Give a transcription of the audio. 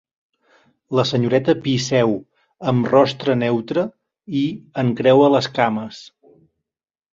La senyoreta Pi seu, amb rostre neutre, i encreua les cames.